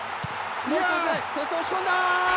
そして押し込んだ！